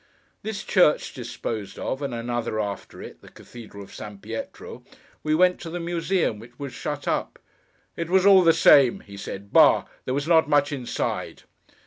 This church disposed of, and another after it (the cathedral of San Pietro), we went to the Museum, which was shut up. 'It was all the same,' he said. 'Bah! There was not much inside!